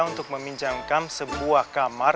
untuk meminjamkan sebuah kamar